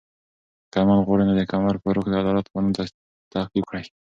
که امن غواړئ، نو د عمر فاروق د عدالت قانون تعقیب کړئ.